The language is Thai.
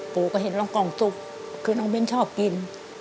ก็เห็นรองกองตุ๊บคือน้องเบ้นชอบกิน